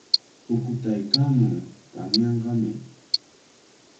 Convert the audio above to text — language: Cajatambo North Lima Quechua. Pukutaykaamun, tamyanqami.